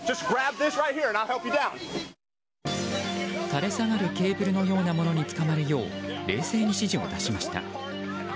垂れ下がるケーブルのようなものにつかまるよう冷静に指示を出しました。